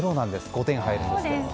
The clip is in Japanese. ５点入るんですけども。